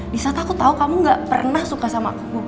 di saat aku tahu kamu gak pernah suka sama aku